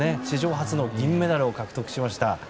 史上初の銀メダルを獲得しました。